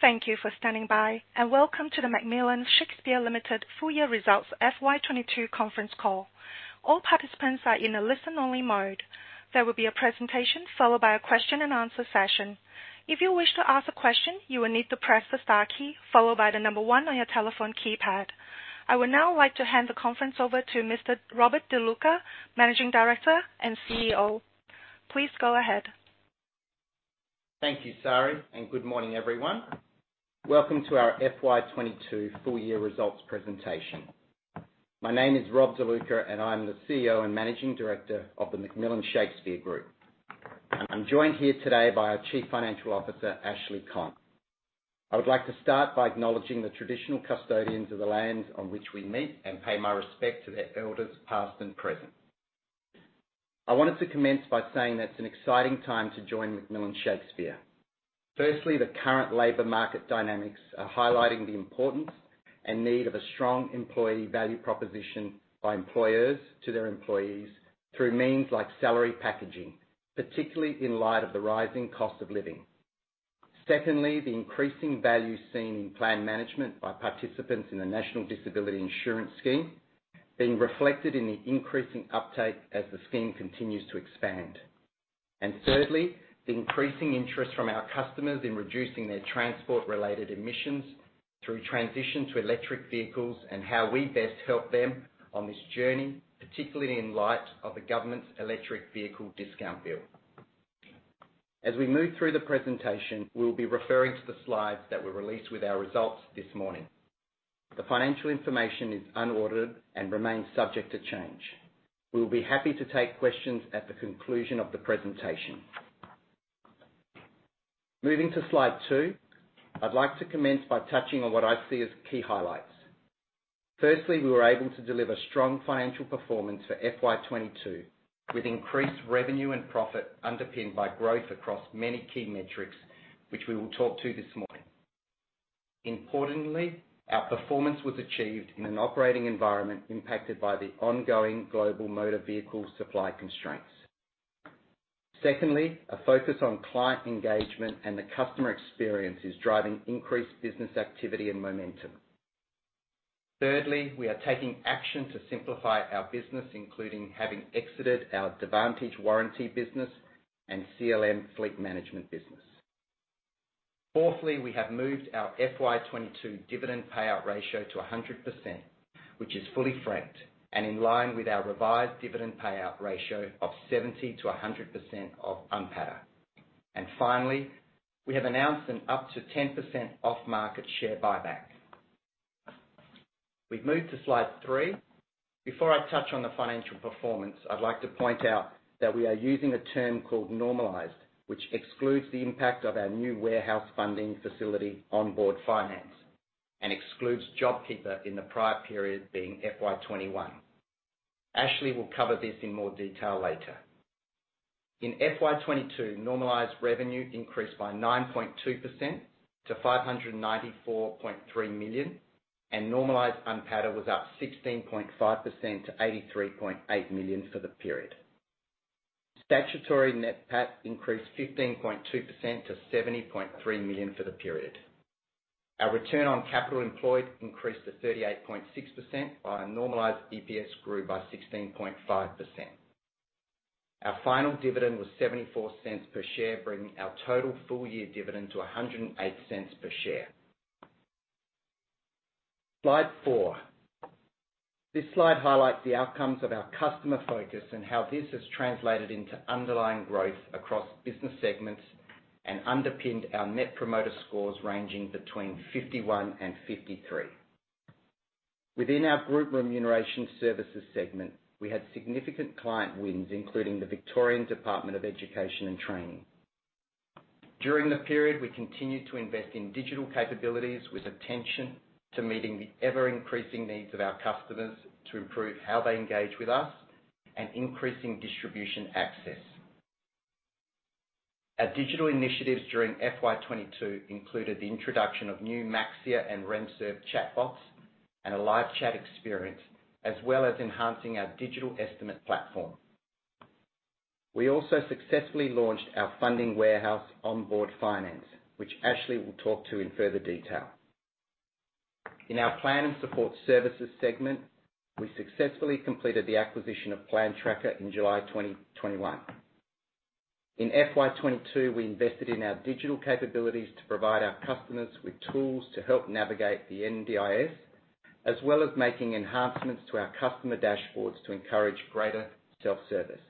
Thank you for standing by, and welcome to the McMillan Shakespeare Limited full year results FY22 conference call. All participants are in a listen-only mode. There will be a presentation followed by a question and answer session. If you wish to ask a question, you will need to press the star key followed by the number one on your telephone keypad. I would now like to hand the conference over to Mr. Robert De Luca, Managing Director and CEO. Please go ahead. Thank you, Sari, and good morning, everyone. Welcome to our FY22 full year results presentation. My name is Rob De Luca, and I'm the CEO and Managing Director of the McMillan Shakespeare Group. I'm joined here today by our Chief Financial Officer, Ashley Conn. I would like to start by acknowledging the traditional custodians of the lands on which we meet and pay my respect to their elders past and present. I wanted to commence by saying that it's an exciting time to join McMillan Shakespeare. Firstly, the current labor market dynamics are highlighting the importance and need of a strong employee value proposition by employers to their employees through means like salary packaging, particularly in light of the rising cost of living. Secondly, the increasing value seen in plan management by participants in the National Disability Insurance Scheme being reflected in the increasing uptake as the scheme continues to expand. Thirdly, the increasing interest from our customers in reducing their transport-related emissions through transition to electric vehicles and how we best help them on this journey, particularly in light of the government's electric vehicle discount bill. As we move through the presentation, we'll be referring to the slides that were released with our results this morning. The financial information is unaudited and remains subject to change. We'll be happy to take questions at the conclusion of the presentation. Moving to slide two. I'd like to commence by touching on what I see as key highlights. Firstly, we were able to deliver strong financial performance for FY22 with increased revenue and profit underpinned by growth across many key metrics, which we will talk to this morning. Importantly, our performance was achieved in an operating environment impacted by the ongoing global motor vehicle supply constraints. Secondly, a focus on client engagement and the customer experience is driving increased business activity and momentum. Thirdly, we are taking action to simplify our business, including having exited our Davantage warranty business and CLM Fleet Management business. Fourthly, we have moved our FY22 dividend payout ratio to 100%, which is fully franked and in line with our revised dividend payout ratio of 70%-100% of NPATA. Finally, we have announced up to 10% off-market share buyback. We've moved to slide three we. Before I touch on the financial performance, I'd like to point out that we are using a term called normalized, which excludes the impact of our new warehouse funding facility Onboard Finance and excludes JobKeeper in the prior period being FY21. Ashley will cover this in more detail later. In FY22, normalized revenue increased by 9.2% to 594.3 million, and normalized NPATA was up 16.5% to 83.8 million for the period. Statutory NPAT increased 15.2% to 70.3 million for the period. Our return on capital employed increased to 38.6% while our normalized EPS grew by 16.5%. Our final dividend was 0.74 per share, bringing our total full year dividend to 1.08 per share. Slide four. This slide highlights the outcomes of our customer focus and how this has translated into underlying growth across business segments and underpinned our Net Promoter Scores ranging between 51 and 53. Within our Group Remuneration Services segment, we had significant client wins, including the Victorian Department of Education and Training. During the period, we continued to invest in digital capabilities with attention to meeting the ever-increasing needs of our customers to improve how they engage with us and increasing distribution access. Our digital initiatives during FY22 included the introduction of new Maxxia and RemServ chatbots and a live chat experience, as well as enhancing our digital estimate platform. We also successfully launched our funding warehouse Onboard Finance, which Ashley will talk to in further detail. In our Plan and Support Services segment, we successfully completed the acquisition of Plan Tracker in July 2021. In FY22, we invested in our digital capabilities to provide our customers with tools to help navigate the NDIS, as well as making enhancements to our customer dashboards to encourage greater self-service.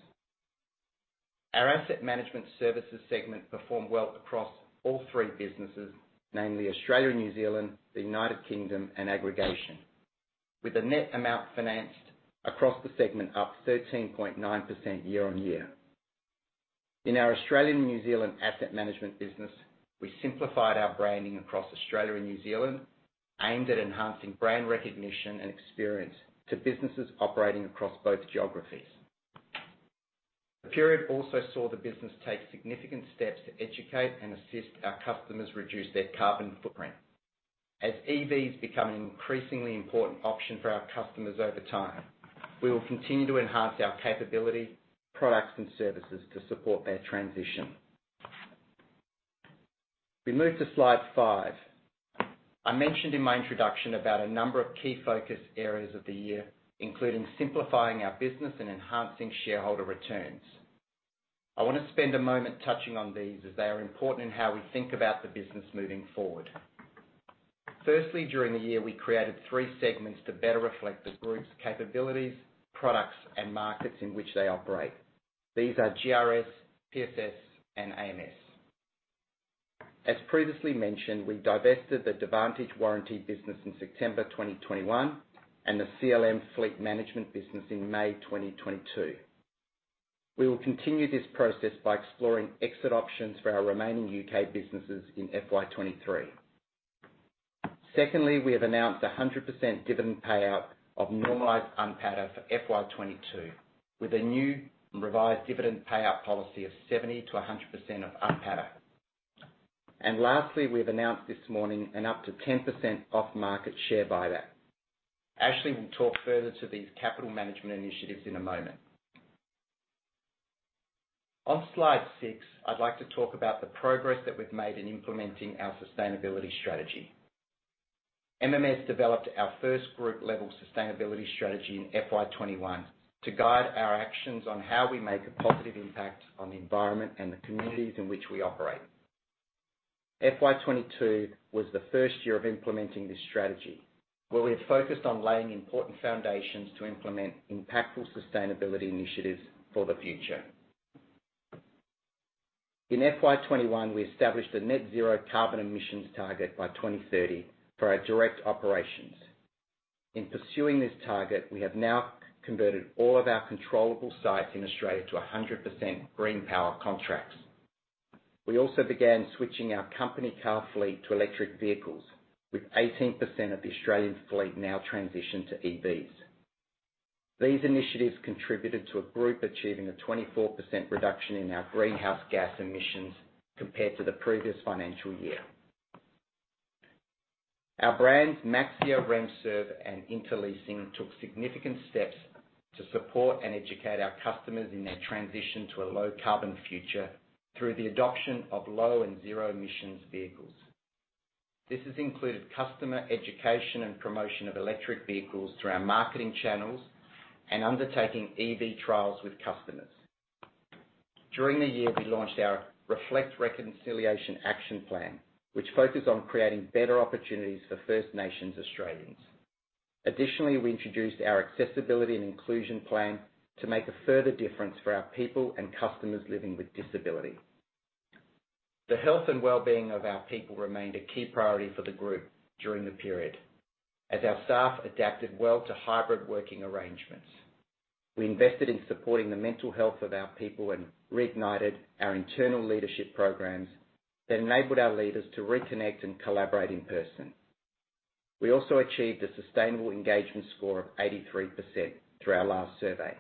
Our Asset Management Services segment performed well across all three businesses, namely Australia and New Zealand, the United Kingdom, and aggregation. With the net amount financed across the segment up 13.9% year-on-year. In our Australian and New Zealand Asset Management business, we simplified our branding across Australia and New Zealand, aimed at enhancing brand recognition and experience to businesses operating across both geographies. The period also saw the business take significant steps to educate and assist our customers to reduce their carbon footprint. As EVs become an increasingly important option for our customers over time, we will continue to enhance our capability, products, and services to support their transition. We move to slide five. I mentioned in my introduction about a number of key focus areas of the year, including simplifying our business and enhancing shareholder returns. I wanna spend a moment touching on these, as they are important in how we think about the business moving forward. Firstly, during the year, we created three segments to better reflect the group's capabilities, products, and markets in which they operate. These are GRS, PSS, and AMS. As previously mentioned, we divested the Davantage warranty business in September 2021, and the CLM fleet management business in May 2022. We will continue this process by exploring exit options for our remaining UK businesses in FY 2023. Secondly, we have announced a 100% dividend payout of normalized NPATA for FY 2022, with a new and revised dividend payout policy of 70%-100% of NPATA. Lastly, we've announced this morning an up to 10% off-market share buyback. Ashley will talk further to these capital management initiatives in a moment. On slide six, I'd like to talk about the progress that we've made in implementing our sustainability strategy. MMS developed our first group-level sustainability strategy in FY 2021 to guide our actions on how we make a positive impact on the environment and the communities in which we operate. FY 2022 was the first year of implementing this strategy, where we have focused on laying important foundations to implement impactful sustainability initiatives for the future. In FY 2021, we established a net zero carbon emissions target by 2030 for our direct operations. In pursuing this target, we have now converted all of our controllable sites in Australia to 100% green power contracts. We also began switching our company car fleet to electric vehicles, with 18% of the Australian fleet now transitioned to EVs. These initiatives contributed to a group achieving a 24% reduction in our greenhouse gas emissions compared to the previous financial year. Our brands, Maxxia, RemServ, and Interleasing, took significant steps to support and educate our customers in their transition to a low carbon future through the adoption of low and zero emissions vehicles. This has included customer education and promotion of electric vehicles through our marketing channels and undertaking EV trials with customers. During the year, we launched our Reflect Reconciliation Action Plan, which focused on creating better opportunities for First Nations Australians. Additionally, we introduced our accessibility and inclusion plan to make a further difference for our people and customers living with disability. The health and wellbeing of our people remained a key priority for the group during the period as our staff adapted well to hybrid working arrangements. We invested in supporting the mental health of our people and reignited our internal leadership programs that enabled our leaders to reconnect and collaborate in person. We also achieved a sustainable engagement score of 83% through our last survey.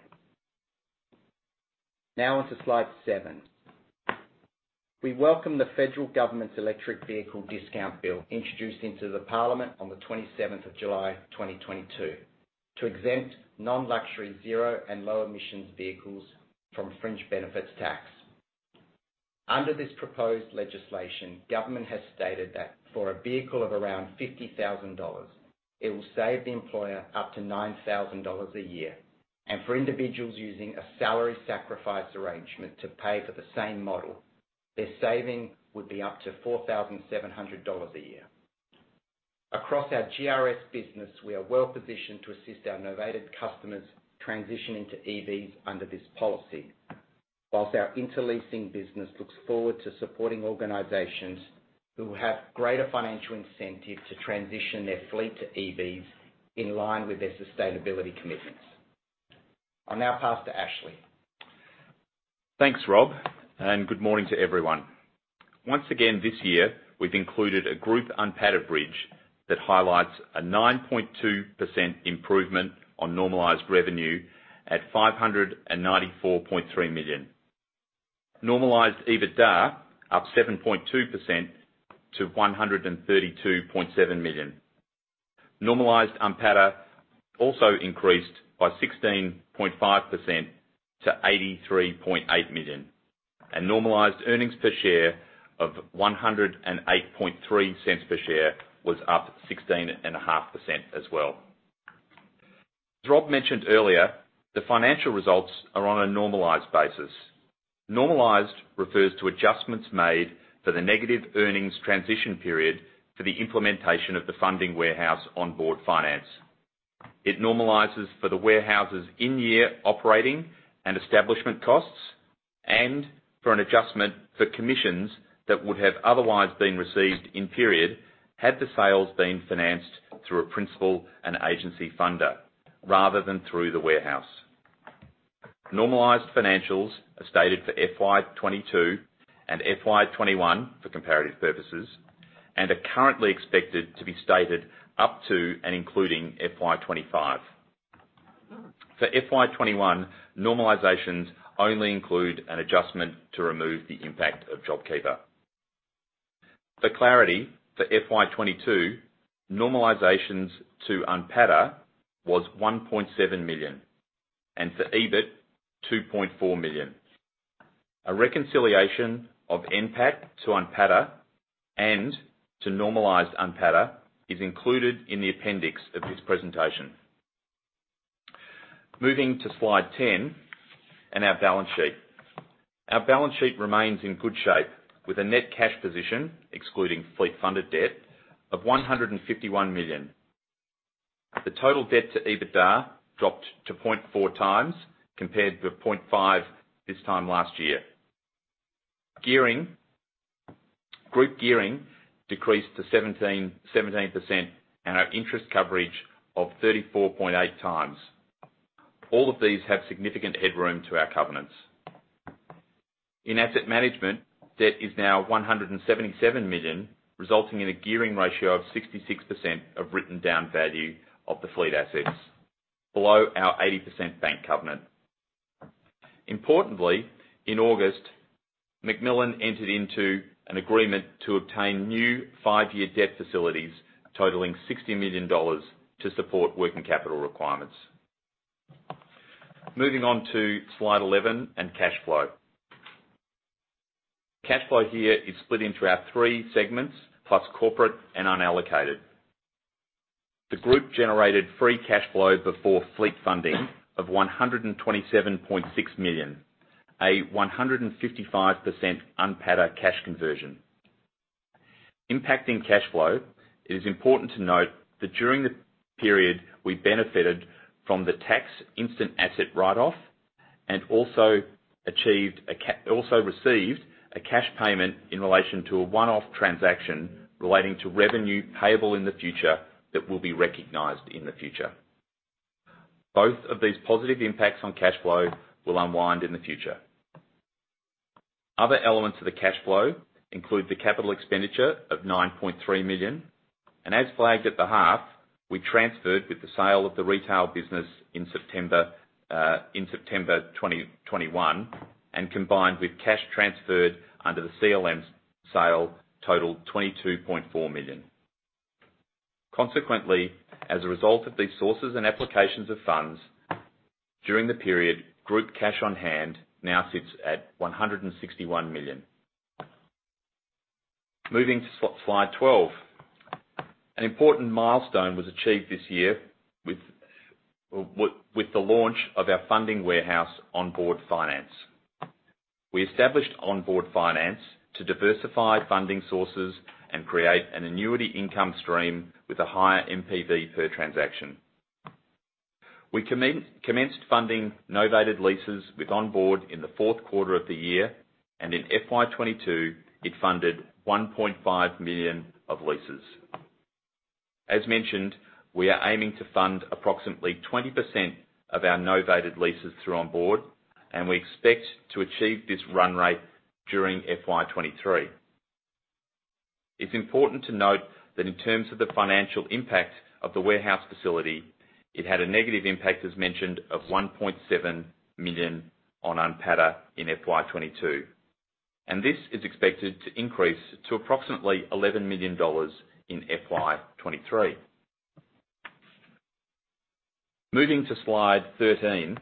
Now on to slide seven. We welcome the federal government's electric vehicle discount bill introduced into the parliament on the twenty-seventh of July, 2022, to exempt non-luxury zero and low emissions vehicles from fringe benefits tax. Under this proposed legislation, government has stated that for a vehicle of around 50,000 dollars, it will save the employer up to 9,000 dollars a year. For individuals using a salary sacrifice arrangement to pay for the same model, their saving would be up to 4,700 dollars a year. Across our GRS business, we are well-positioned to assist our novated customers transition into EVs under this policy. While our Interleasing business looks forward to supporting organizations who have greater financial incentive to transition their fleet to EVs in line with their sustainability commitments. I'll now pass to Ashley. Thanks, Rob, and good morning to everyone. Once again, this year, we've included a group NPATA bridge that highlights a 9.2% improvement on normalized revenue at 594.3 million. Normalized EBITDA up 7.2% to 132.7 million. Normalized NPATA also increased by 16.5% to 83.8 million. Normalized earnings per share of 1.083 was up 16.5% as well. As Rob mentioned earlier, the financial results are on a normalized basis. Normalized refers to adjustments made for the negative earnings transition period for the implementation of the funding warehouse Onboard Finance. It normalizes for the warehouse's in-year operating and establishment costs and for an adjustment for commissions that would have otherwise been received in period had the sales been financed through a principal and agency funder, rather than through the warehouse. Normalized financials are stated for FY22 and FY21 for comparative purposes and are currently expected to be stated up to and including FY25. For FY21, normalizations only include an adjustment to remove the impact of JobKeeper. For clarity, for FY22, normalizations to NPATA was 1.7 million. For EBIT, 2.4 million. A reconciliation of NPAT to NPATA and to normalized NPATA is included in the appendix of this presentation. Moving to slide 10 and our balance sheet. Our balance sheet remains in good shape with a net cash position, excluding fleet funded debt, of 151 million. The total debt to EBITDA dropped to 0.4 times compared to 0.5 this time last year. Gearing, group gearing decreased to 17%. Our interest coverage of 34.8 times. All of these have significant headroom to our covenants. In asset management, debt is now 177 million, resulting in a gearing ratio of 66% of written down value of the fleet assets below our 80% bank covenant. Importantly, in August, McMillan entered into an agreement to obtain new five-year debt facilities totaling 60 million dollars to support working capital requirements. Moving on to slide 11 and cash flow. Cash flow here is split into our three segments, plus corporate and unallocated. The group generated free cash flow before fleet funding of 127.6 million, a 155% NPATA cash conversion. Impacting cash flow, it is important to note that during the period, we benefited from the instant asset write-off and also received a cash payment in relation to a one-off transaction relating to revenue payable in the future that will be recognized in the future. Both of these positive impacts on cash flow will unwind in the future. Other elements of the cash flow include the capital expenditure of 9.3 million. As flagged at the half, we transferred with the sale of the retail business in September 2021, and combined with cash transferred under the CLM's sale totaled 22.4 million. Consequently, as a result of these sources and applications of funds, during the period, group cash on hand now sits at 161 million. Moving to slide 12. An important milestone was achieved this year with the launch of our funding warehouse Onboard Finance. We established Onboard Finance to diversify funding sources and create an annuity income stream with a higher NPV per transaction. We commenced funding novated leases with Onboard in the fourth quarter of the year. In FY22, it funded 1.5 million of leases. As mentioned, we are aiming to fund approximately 20% of our novated leases through Onboard, and we expect to achieve this run rate during FY23. It's important to note that in terms of the financial impact of the warehouse facility, it had a negative impact, as mentioned, of 1.7 million on NPATA in FY22, and this is expected to increase to approximately AUD 11 million in FY23. Moving to slide 13.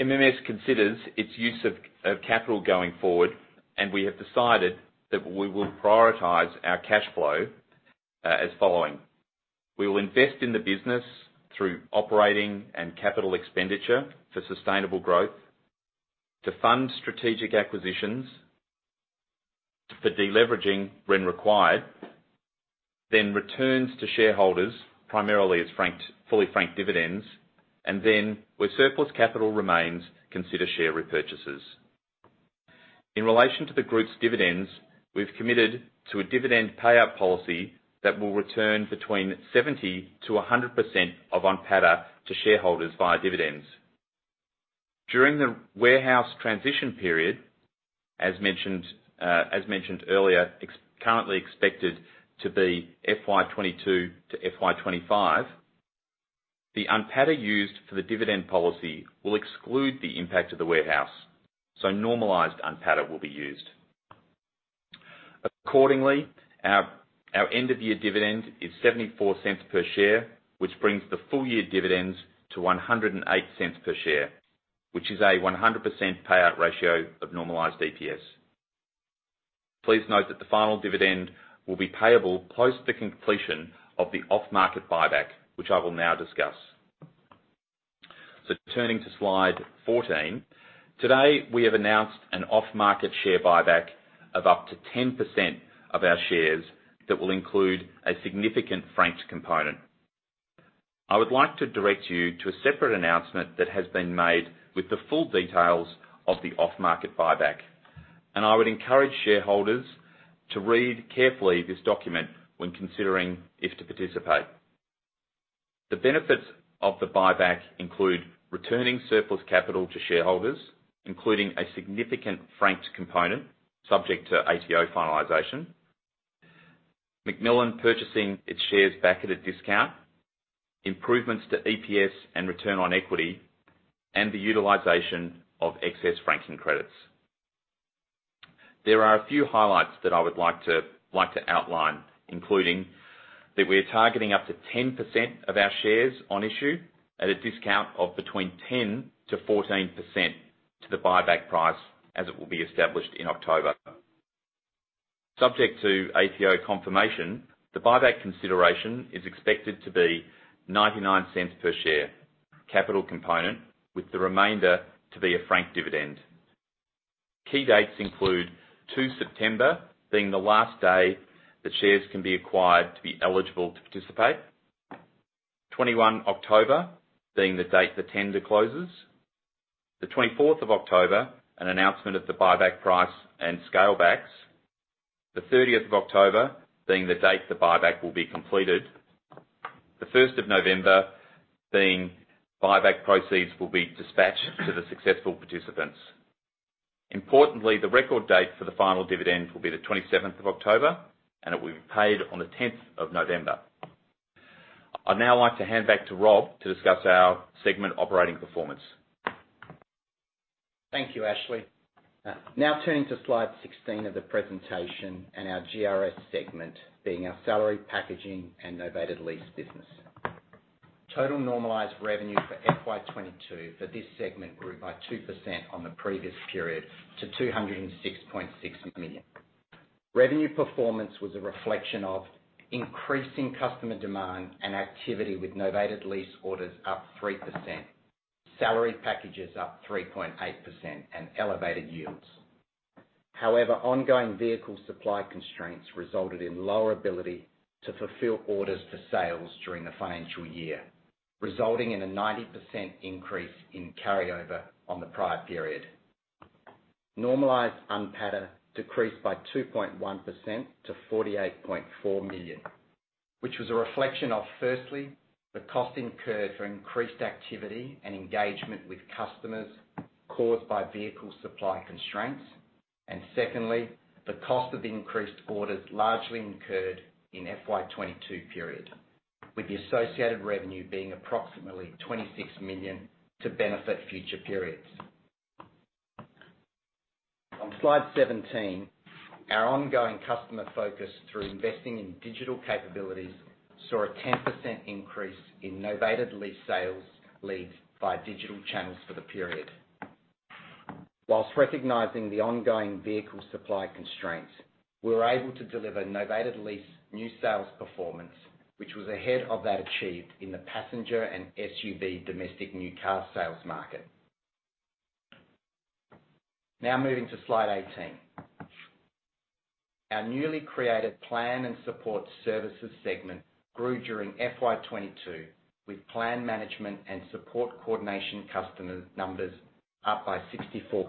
MMS considers its use of capital going forward, and we have decided that we will prioritize our cash flow as following. We will invest in the business through operating and capital expenditure for sustainable growth, to fund strategic acquisitions for deleveraging when required, then returns to shareholders primarily as franked, fully franked dividends, and then where surplus capital remains, consider share repurchases. In relation to the group's dividends, we've committed to a dividend payout policy that will return between 70%-100% of NPATA to shareholders via dividends. During the warehouse transition period, as mentioned earlier, currently expected to be FY2022 to FY2025, the NPATA used for the dividend policy will exclude the impact of the warehouse, so normalized NPATA will be used. Accordingly, our end of year dividend is 0.74 per share, which brings the full year dividends to 1.08 per share, which is a 100% payout ratio of normalized DPS. Please note that the final dividend will be payable post the completion of the off-market buyback, which I will now discuss. Turning to slide 14. Today, we have announced an off-market share buyback of up to 10% of our shares that will include a significant franked component. I would like to direct you to a separate announcement that has been made with the full details of the off-market buyback, and I would encourage shareholders to read carefully this document when considering if to participate. The benefits of the buyback include returning surplus capital to shareholders, including a significant franked component subject to ATO finalization. McMillan purchasing its shares back at a discount, improvements to EPS and return on equity, and the utilization of excess franking credits. There are a few highlights that I would like to outline including that we are targeting up to 10% of our shares on issue at a discount of between 10%-14% to the buyback price as it will be established in October. Subject to ATO confirmation, the buyback consideration is expected to be 0.99 per share, capital component, with the remainder to be a franked dividend. Key dates include 2 September, being the last day that shares can be acquired to be eligible to participate. 21 October, being the date the tender closes. The 24th of October, an announcement of the buyback price and scale backs. The 30th of October, being the date the buyback will be completed. The 1st of November, being buyback proceeds will be dispatched to the successful participants. Importantly, the record date for the final dividend will be the 27th of October, and it will be paid on the 10th of November. I'd now like to hand back to Rob to discuss our segment operating performance. Thank you, Ashley. Now turning to slide 16 of the presentation and our GRS segment being our salary packaging and novated lease business. Total normalized revenue for FY 2022 for this segment grew by 2% on the previous period to 206.6 million. Revenue performance was a reflection of increasing customer demand and activity with novated lease orders up 3%, salary packages up 3.8% and elevated yields. However, ongoing vehicle supply constraints resulted in lower ability to fulfill orders for sales during the financial year, resulting in a 90% increase in carryover on the prior period. Normalized NPATA decreased by 2.1% to 48.4 million, which was a reflection of firstly the cost incurred for increased activity and engagement with customers caused by vehicle supply constraints. Secondly, the cost of increased orders largely incurred in FY 2022 period, with the associated revenue being approximately 26 million to benefit future periods. On slide 17, our ongoing customer focus through investing in digital capabilities saw a 10% increase in novated lease sales leads via digital channels for the period. While recognizing the ongoing vehicle supply constraints, we were able to deliver novated lease new sales performance, which was ahead of that achieved in the passenger and SUV domestic new car sales market. Now moving to slide 18. Our newly created Plan and Support Services segment grew during FY 2022 with plan management and support coordination customer numbers up by 64%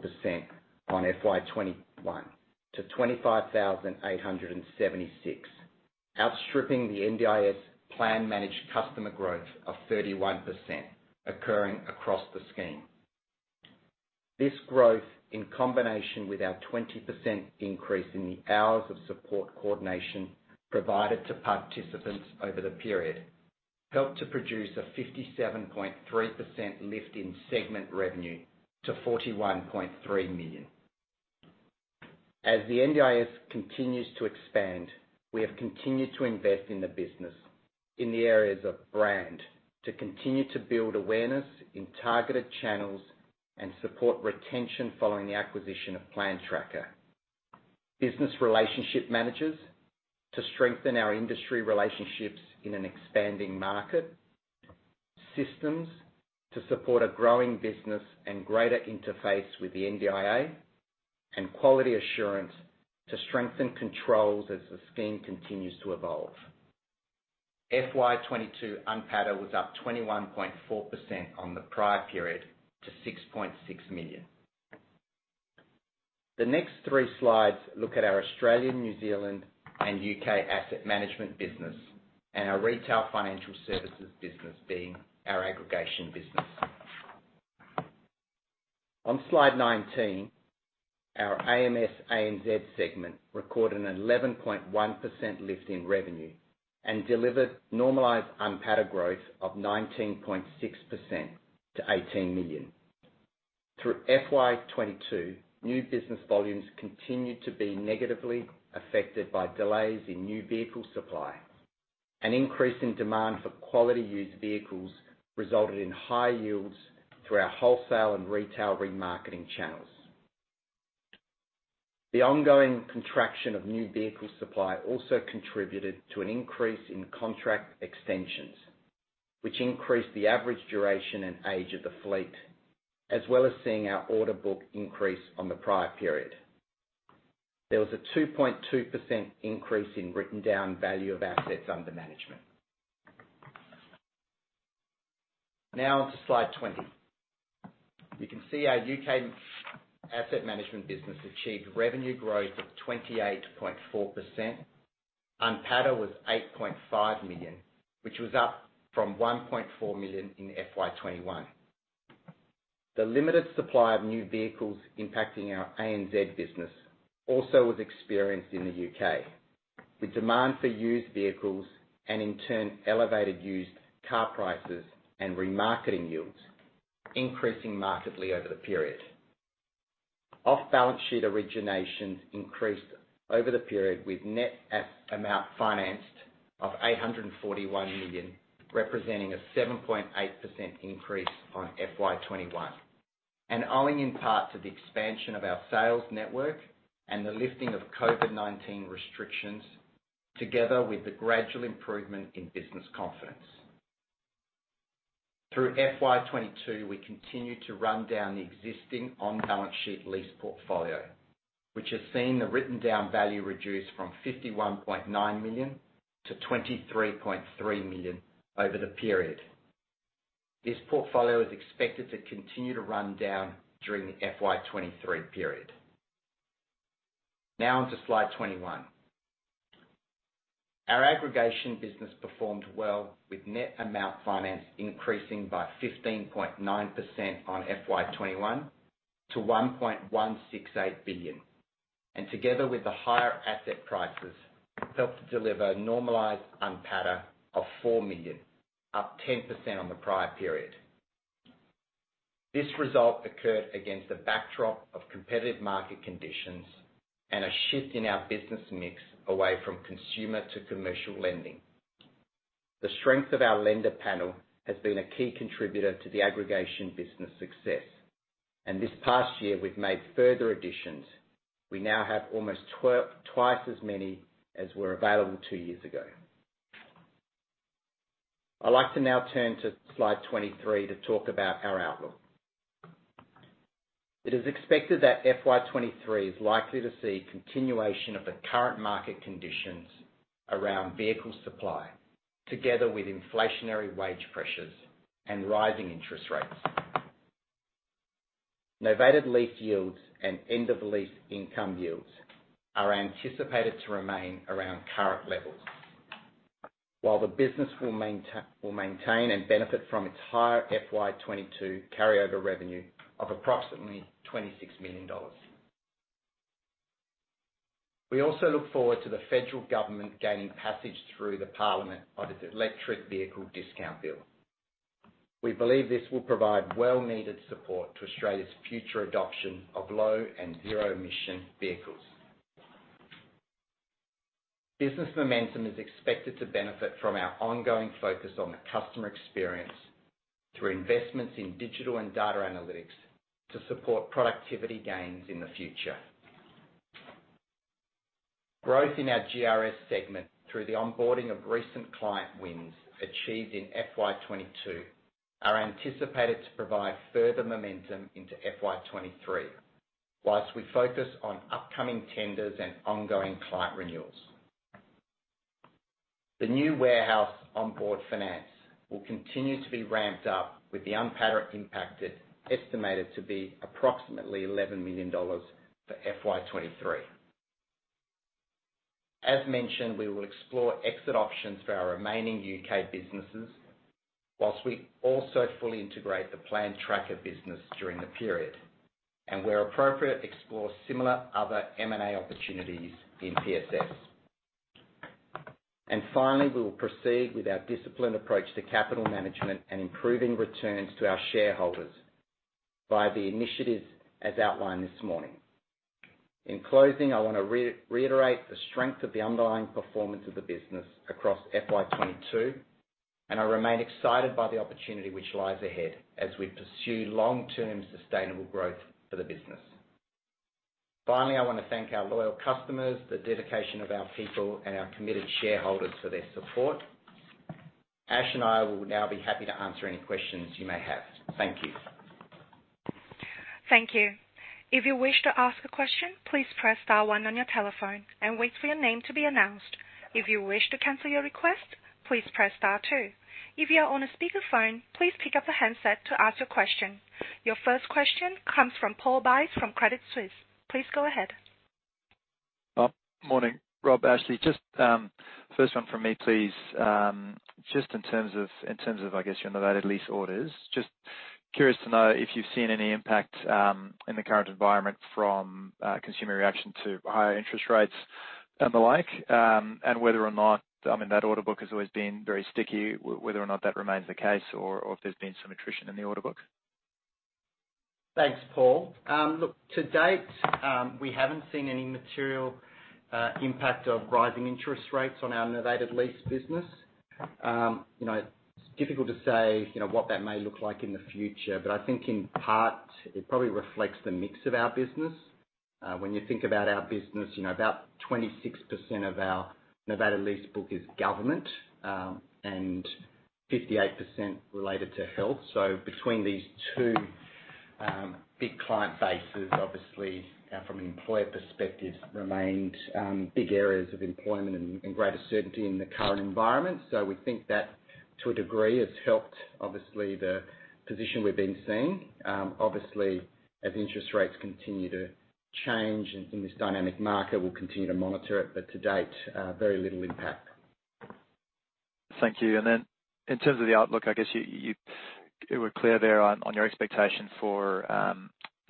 on FY 2021 to 25,876, outstripping the NDIS plan managed customer growth of 31% occurring across the scheme. This growth, in combination with our 20% increase in the hours of support coordination provided to participants over the period, helped to produce a 57.3% lift in segment revenue to 41.3 million. As the NDIS continues to expand, we have continued to invest in the business in the areas of brand to continue to build awareness in targeted channels and support retention following the acquisition of Plan Tracker, business relationship managers to strengthen our industry relationships in an expanding market, systems to support a growing business and greater interface with the NDIA, and quality assurance to strengthen controls as the scheme continues to evolve. FY 2022 NPATA was up 21.4% on the prior period to 6.6 million. The next three slides look at our Australian, New Zealand and UK asset management business and our retail financial services business being our aggregation business. On slide 19, our AMS ANZ segment recorded an 11.1% lift in revenue and delivered normalized NPATA growth of 19.6% to AUD 18 million. Through FY 2022, new business volumes continued to be negatively affected by delays in new vehicle supply. An increase in demand for quality used vehicles resulted in high yields through our wholesale and retail remarketing channels. The ongoing contraction of new vehicle supply also contributed to an increase in contract extensions, which increased the average duration and age of the fleet, as well as seeing our order book increase on the prior period. There was a 2.2% increase in written down value of assets under management. Now on to slide 20. You can see our UK asset management business achieved revenue growth of 28.4%. NPATA was 8.5 million, which was up from 1.4 million in FY 2021. The limited supply of new vehicles impacting our ANZ business also was experienced in the UK, with demand for used vehicles and in turn elevated used car prices and remarketing yields increasing markedly over the period. Off-balance sheet originations increased over the period with net amount financed of 841 million, representing a 7.8% increase on FY 2021. Owing in part to the expansion of our sales network and the lifting of COVID-19 restrictions, together with the gradual improvement in business confidence. Through FY 2022, we continued to run down the existing on-balance sheet lease portfolio, which has seen the written down value reduce from 51.9 million to 23.3 million over the period. This portfolio is expected to continue to run down during the FY 2023 period. Now on to slide 21. Our aggregation business performed well with net amount finance increasing by 15.9% on FY 2021 to 1.168 billion. Together with the higher asset prices, helped to deliver normalized NPATA of 4 million, up 10% on the prior period. This result occurred against a backdrop of competitive market conditions and a shift in our business mix away from consumer to commercial lending. The strength of our lender panel has been a key contributor to the aggregation business success. This past year, we've made further additions. We now have almost twice as many as were available two years ago. I'd like to now turn to slide 23 to talk about our outlook. It is expected that FY 2023 is likely to see continuation of the current market conditions around vehicle supply, together with inflationary wage pressures and rising interest rates. Novated lease yields and end of lease income yields are anticipated to remain around current levels. While the business will maintain and benefit from its higher FY 2022 carryover revenue of approximately AUD 26 million. We also look forward to the federal government gaining passage through the parliament on its electric vehicle discount bill. We believe this will provide well-needed support to Australia's future adoption of low and zero emissions vehicles. Business momentum is expected to benefit from our ongoing focus on the customer experience through investments in digital and data analytics to support productivity gains in the future. Growth in our GRS segment through the onboarding of recent client wins achieved in FY 2022 are anticipated to provide further momentum into FY 2023, whilst we focus on upcoming tenders and ongoing client renewals. The new warehouse, Onboard Finance, will continue to be ramped up with the NPATA impact it's estimated to be approximately AUD 11 million for FY 2023. As mentioned, we will explore exit options for our remaining UK businesses whilst we also fully integrate the Plan Tracker business during the period. Where appropriate, explore similar other M&A opportunities in PSS. Finally, we will proceed with our disciplined approach to capital management and improving returns to our shareholders via the initiatives as outlined this morning. In closing, I wanna reiterate the strength of the underlying performance of the business across FY 2022, and I remain excited by the opportunity which lies ahead as we pursue long-term sustainable growth for the business. Finally, I wanna thank our loyal customers, the dedication of our people, and our committed shareholders for their support. Ash and I will now be happy to answer any questions you may have. Thank you. Thank you. If you wish to ask a question, please press star one on your telephone and wait for your name to be announced. If you wish to cancel your request, please press star two. If you are on a speakerphone, please pick up the handset to ask your question. Your first question comes from Paul Buys from Citi. Please go ahead. Oh, morning, Rob, Ashley. Just, first one from me, please. Just in terms of, I guess, your novated lease orders, just curious to know if you've seen any impact, in the current environment from, consumer reaction to higher interest rates and the like, and whether or not, I mean, that order book has always been very sticky, whether or not that remains the case or if there's been some attrition in the order book. Thanks, Paul. Look, to date, we haven't seen any material impact of rising interest rates on our novated lease business. You know, it's difficult to say, you know, what that may look like in the future, but I think in part it probably reflects the mix of our business. When you think about our business, you know, about 26% of our novated lease book is government, and 58% related to health. So between these two big client bases, obviously, from an employer perspective, remained big areas of employment and greater certainty in the current environment. So we think that to a degree has helped, obviously, the position we've been seeing. Obviously, as interest rates continue to change in this dynamic market, we'll continue to monitor it, but to date, very little impact. Thank you. In terms of the outlook, I guess you were clear there on your expectation for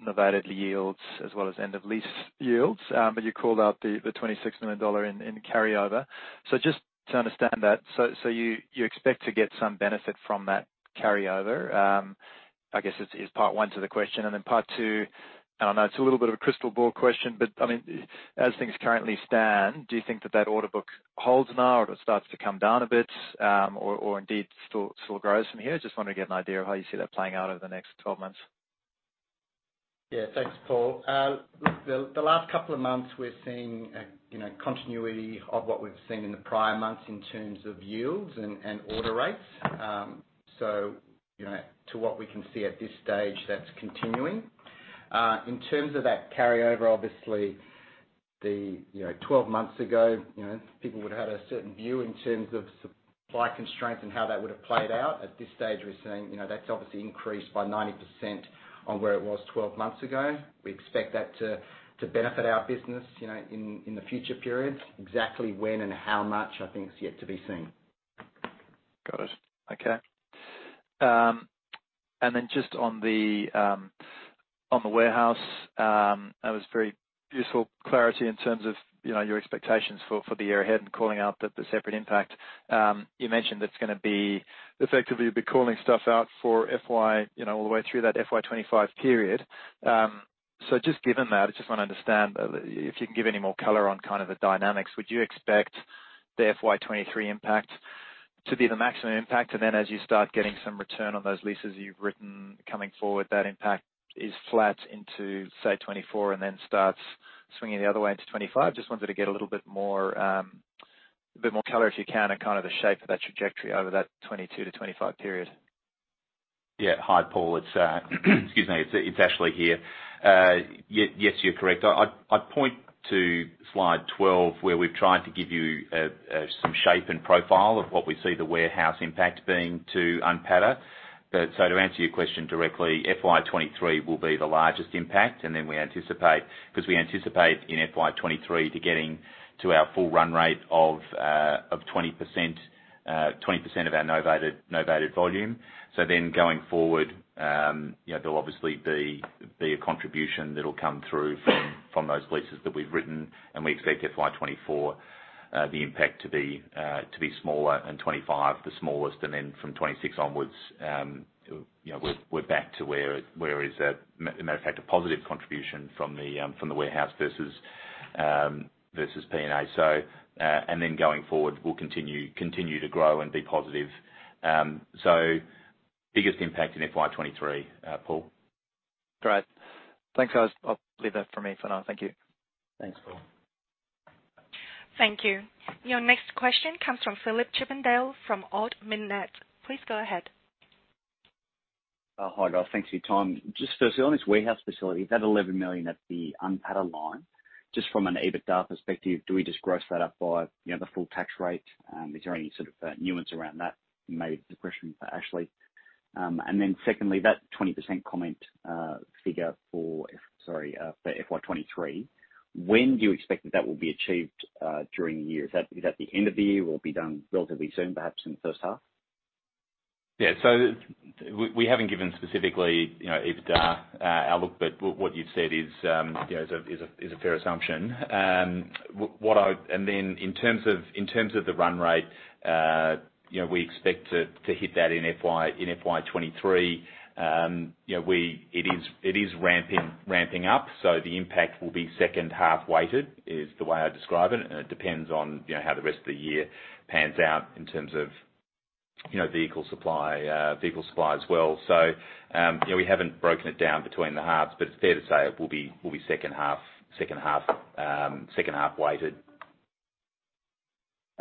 novated yields as well as end of lease yields. You called out the 26 million dollar in carryover. Just to understand that. You expect to get some benefit from that carryover? I guess is part one to the question. Part two, and I know it's a little bit of a crystal ball question, but I mean, as things currently stand, do you think that that order book holds now or it starts to come down a bit, or indeed still grows from here? Just want to get an idea of how you see that playing out over the next 12 months. Yeah, thanks, Paul. Look, the last couple of months we're seeing a continuity of what we've seen in the prior months in terms of yields and order rates. You know, to what we can see at this stage that's continuing. In terms of that carryover, obviously, you know, 12 months ago, people would've had a certain view in terms of supply constraints and how that would've played out. At this stage, we're seeing, you know, that's obviously increased by 90% on where it was 12 months ago. We expect that to benefit our business, you know, in the future periods. Exactly when and how much I think is yet to be seen. Got it. Okay. Just on the warehouse, that was very useful clarity in terms of, you know, your expectations for the year ahead and calling out the separate impact. You mentioned it's gonna be effectively, you'll be calling stuff out for FY, you know, all the way through that FY 2025 period. Just given that, I just wanna understand if you can give any more color on kind of the dynamics. Would you expect the FY 2023 impact to be the maximum impact? As you start getting some return on those leases you've written coming forward, that impact is flat into, say, 2024 and then starts swinging the other way into 2025? Just wanted to get a little bit more, a bit more color, if you can, on kind of the shape of that trajectory over that 2022-2025 period. Hi, Paul. It's Ashley here. Yes, you're correct. I'd point to slide 12, where we've tried to give you some shape and profile of what we see the warehouse impact being to NPATA. To answer your question directly, FY 2023 will be the largest impact, and then we anticipate, because we anticipate in FY 2023 getting to our full run rate of 20% of our novated volume. Going forward, you know, there'll obviously be a contribution that'll come through from those leases that we've written, and we expect FY 2024 the impact to be smaller, and 2025 the smallest. From 26 onwards, you know, we're back to where it's a matter of fact, a positive contribution from the warehouse versus P&A. Going forward, we'll continue to grow and be positive. Biggest impact in FY 2023, Paul. Great. Thanks, guys. I'll leave that from me for now. Thank you. Thanks, Paul. Thank you. Your next question comes from Phillip Chippindale from Ord Minnett. Please go ahead. Hi guys. Thanks for your time. Just firstly on this warehouse facility, that 11 million at the NPATA line, just from an EBITDA perspective, do we just gross that up by, you know, the full tax rate? Is there any sort of nuance around that? Maybe a question for Ashley. And then secondly, that 20% comment figure for FY 2023, when do you expect that will be achieved during the year? Is that the end of the year or will it be done relatively soon, perhaps in the first half? We haven't given specifically, you know, EBITDA outlook, but what you've said is, you know, is a fair assumption. In terms of the run rate, you know, we expect to hit that in FY 2023. It is ramping up, so the impact will be second half weighted is the way I describe it. It depends on, you know, how the rest of the year pans out in terms of, you know, vehicle supply as well. We haven't broken it down between the halves, but it's fair to say it will be second half weighted.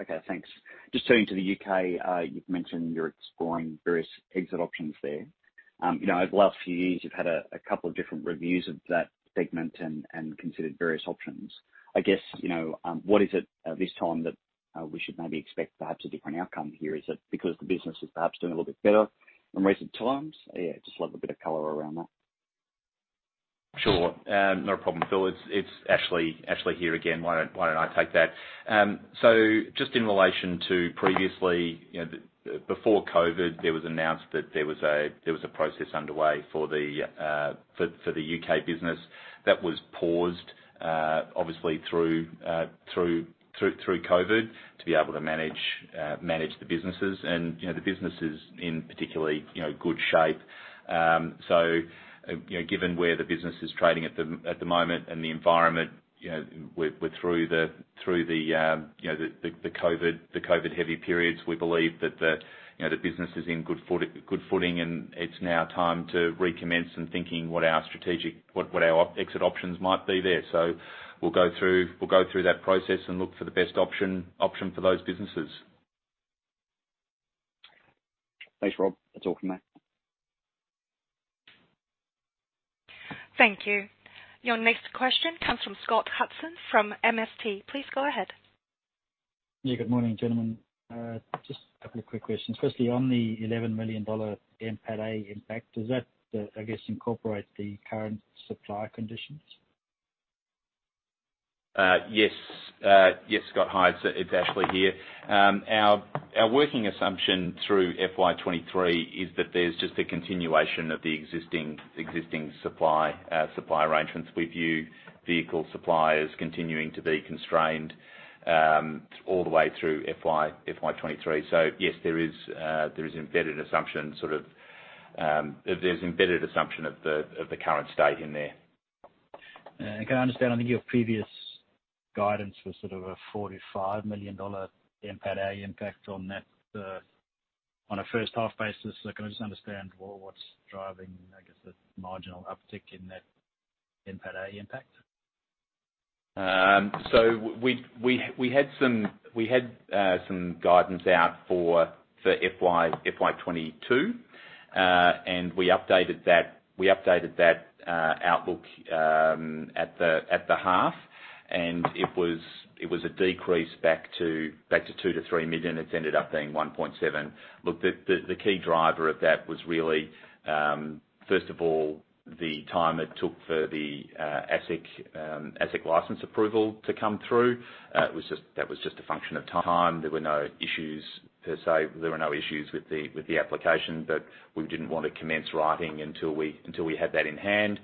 Okay, thanks. Just turning to the UK, you've mentioned you're exploring various exit options there. You know, over the last few years you've had a couple of different reviews of that segment and considered various options. I guess, you know, what is it this time that we should maybe expect perhaps a different outcome here? Is it because the business is perhaps doing a little bit better in recent times? Yeah, just a little bit of color around that. Sure. Not a problem, Phil. It's Ashley here again. Why don't I take that? Just in relation to previously, you know, before COVID, it was announced that there was a process underway for the UK business that was paused, obviously through COVID to be able to manage the businesses. You know, the business is in particularly good shape. You know, given where the business is trading at the moment and the environment, you know, we're through the, you know, the COVID heavy periods, we believe that, you know, the business is in good footing and it's now time to recommence and thinking what our strategic, what our exit options might be there. We'll go through that process and look for the best option for those businesses. Thanks, Rob. That's all from me. Thank you. Your next question comes from Scott Hudson from MST. Please go ahead. Yeah, good morning, gentlemen. Just a couple of quick questions. Firstly, on the 11 million dollar NPATA impact, does that, I guess, incorporate the current supply conditions? Yes. Yes, Scott. Hi, it's Ashley here. Our working assumption through FY 23 is that there's just a continuation of the existing supply arrangements. We view vehicle supply as continuing to be constrained all the way through FY 23. Yes, there is embedded assumption of the current state in there. Can I understand, I think your previous guidance was sort of a 4 to 5 million NPATA impact on that, on a first half basis. Can I just understand what's driving, I guess, the marginal uptick in that NPATA impact? We had some guidance out for FY 2022. We updated that outlook at the half, and it was a decrease back to 2-3 million. It's ended up being 1.7 million. The key driver of that was really first of all the time it took for the ASIC license approval to come through. It was just a function of time. There were no issues per se. There were no issues with the application, but we didn't want to commence writing until we had that in hand.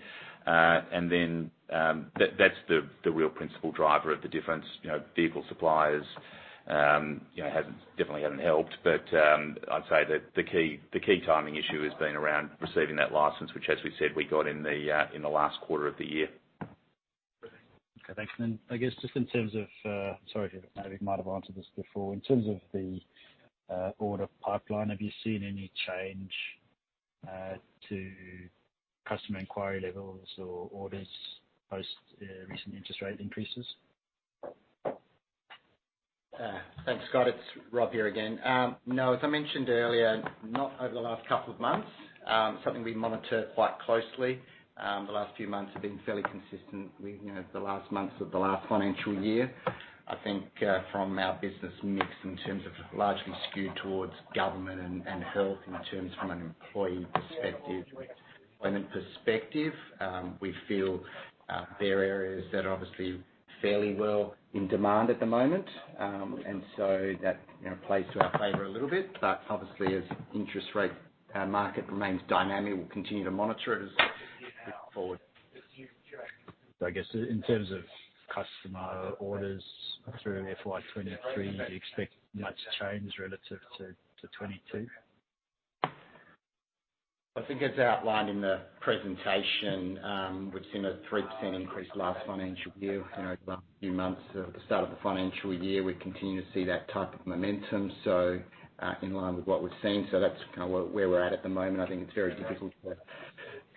That's the real principal driver of the difference. You know, vehicle supply hasn't definitely helped. I'd say that the key timing issue has been around receiving that license, which as we said, we got in the last quarter of the year. Okay, thanks. I guess just in terms of, sorry if you maybe might have answered this before. In terms of the order pipeline, have you seen any change to customer inquiry levels or orders post the recent interest rate increases? Thanks, Scott. It's Rob here again. No, as I mentioned earlier, not over the last couple of months. Something we monitor quite closely. The last few months have been fairly consistent with, you know, the last months of the last financial year. I think, from our business mix in terms of largely skewed towards government and health in terms from an employee perspective. We feel, there are areas that are obviously fairly well in demand at the moment. And so that, you know, plays to our favor a little bit. But obviously as interest rate market remains dynamic, we'll continue to monitor it as we move forward. I guess in terms of customer orders through FY 2023, you expect much change relative to 2022? I think as outlined in the presentation, we've seen a 3% increase last financial year. You know, the last few months at the start of the financial year, we continue to see that type of momentum, in line with what we've seen. That's kind of where we're at at the moment. I think it's very difficult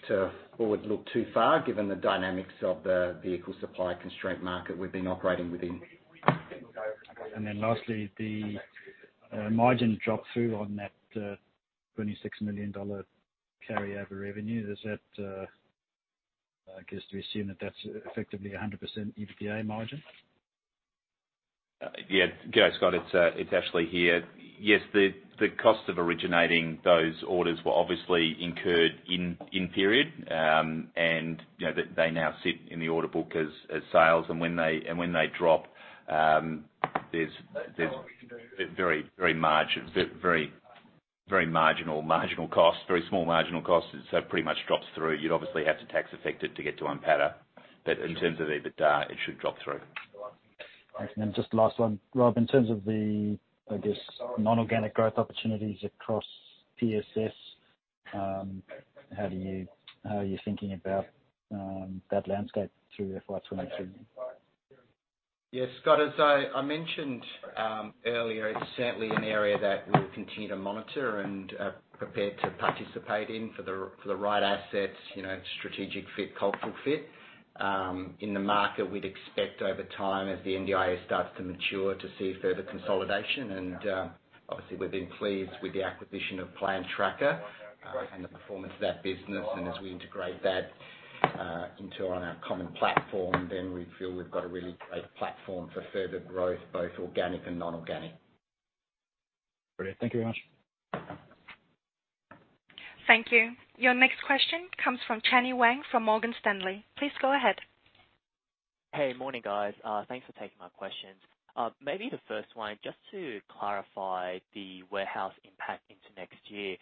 to forward look too far given the dynamics of the vehicle supply-constrained market we've been operating within. Lastly, the margin drop through on that 26 million dollar carry over revenue, is that I guess we assume that that's effectively a 100% EBITDA margin? G'day, Scott. It's Ashley here. Yes, the cost of originating those orders were obviously incurred in period. You know, they now sit in the order book as sales. When they drop, there's very marginal cost. Very small marginal cost. So it pretty much drops through. You'd obviously have to tax effect it to get to NPATA. In terms of EBITDA, it should drop through. Just last one, Rob. In terms of the, I guess, non-organic growth opportunities across PSS, how are you thinking about that landscape through FY 2022? Yeah, Scott, as I mentioned earlier, it's certainly an area that we'll continue to monitor and prepared to participate in for the right assets, you know, strategic fit, cultural fit. In the market, we'd expect over time as the NDIA starts to mature to see further consolidation. Obviously we've been pleased with the acquisition of Plan Tracker and the performance of that business. As we integrate that into our common platform, then we feel we've got a really great platform for further growth, both organic and non-organic. Brilliant. Thank you very much. No problem. Thank you. Your next question comes from Chenny Wang from Morgan Stanley. Please go ahead. Hey. Morning, guys. Thanks for taking my questions. Maybe the first one, just to clarify the warehouse impact into next year.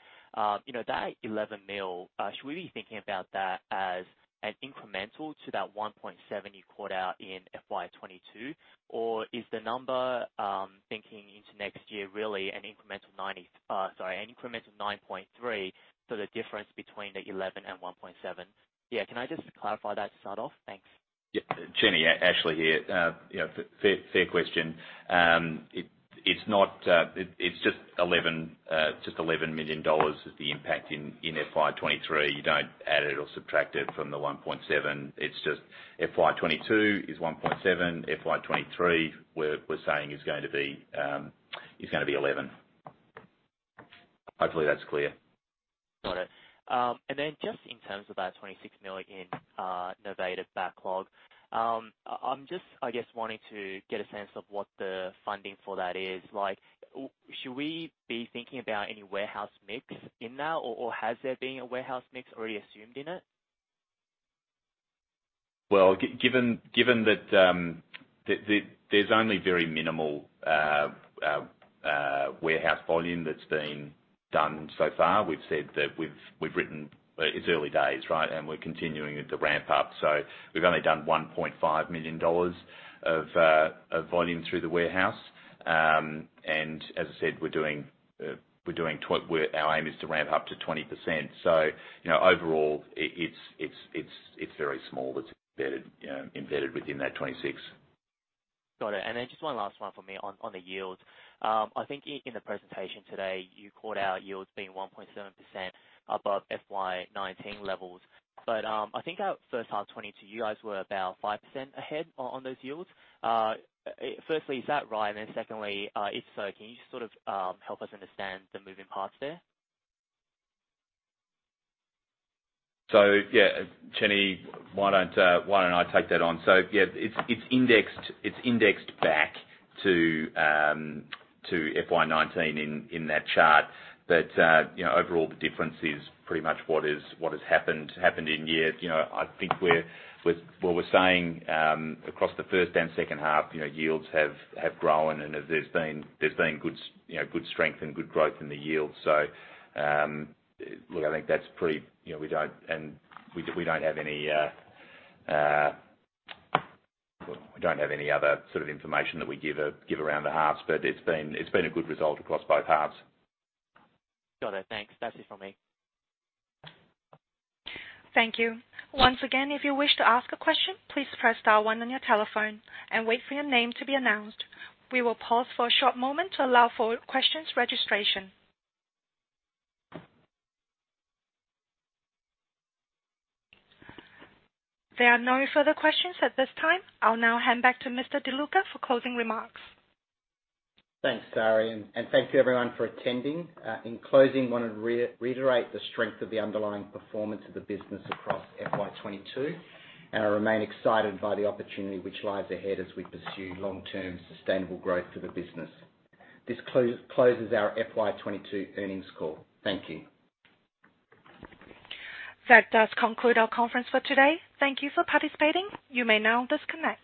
You know that 11 million, should we be thinking about that as an incremental to that 1.7 million you called out in FY 2022? Or is the number thinking into next year really an incremental 9.3, so the difference between the 11 and 1.7? Can I just clarify that to start off? Thanks. Yeah, Chenny. Yeah, Ashley here. You know, fair question. It's not. It's just 11 million dollars is the impact in FY 2023. You don't add it or subtract it from the 1.7 million. It's just FY 2022 is 1.7 million. FY 2023 we're saying is going to be, is gonna be 11 million. Hopefully that's clear. Got it. Just in terms of that 26 million in novated backlog, I'm just, I guess, wanting to get a sense of what the funding for that is. Like, should we be thinking about any warehouse mix in that or has there been a warehouse mix already assumed in it? Well, given that there's only very minimal warehouse volume that's been done so far. We've said that. It's early days, right? We're continuing to ramp up. We've only done 1.5 million dollars of volume through the warehouse. And as I said, our aim is to ramp up to 20%. You know, overall it's very small. It's embedded within that 26. Got it. Just one last one for me on the yield. I think in the presentation today, you called out yields being 1.7% above FY19 levels. I think our first half 2022, you guys were about 5% ahead on those yields. Firstly, is that right? Secondly, if so, can you just sort of help us understand the moving parts there? Yeah, Chenni, why don't I take that on? It's indexed back to FY 2019 in that chart. Overall, the difference is pretty much what has happened in years. I think what we're saying across the first and second half, yields have grown, and there's been good strength and good growth in the yields. Look, I think that's pretty. We don't have any other sort of information that we give around the halves, but it's been a good result across both halves. Got it. Thanks. That's it from me. Thank you. Once again, if you wish to ask a question, please press star one on your telephone and wait for your name to be announced. We will pause for a short moment to allow for questions registration. There are no further questions at this time. I'll now hand back to Mr. De Luca for closing remarks. Thanks, Sari, and thank you everyone for attending. In closing, wanna reiterate the strength of the underlying performance of the business across FY 2022, and I remain excited by the opportunity which lies ahead as we pursue long-term sustainable growth for the business. This closes our FY 2022 earnings call. Thank you. That does conclude our conference for today. Thank you for participating. You may now disconnect.